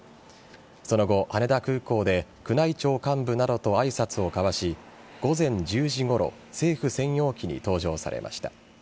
その後、羽田空港で宮内庁幹部などと挨拶を交わし午前１０時ごろ政府専用機に搭乗されました。